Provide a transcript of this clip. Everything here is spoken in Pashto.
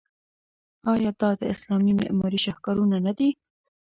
آیا دا د اسلامي معمارۍ شاهکارونه نه دي؟